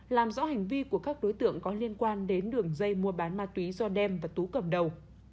làm rõ hành vi của các đối tượng có liên quan đến đường dây mua bán ma túy do đem và tú cầm đầu